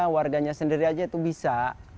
warganya sendiri aja itu bisa